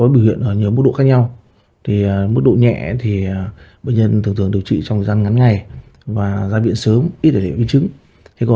bệnh nhân thường thường điều trị trong thời gian ngắn ngày và ra viện sớm ít để biến chứng